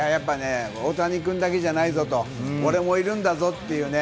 大谷君だけじゃないぞと、俺もいるんだぞっていうね。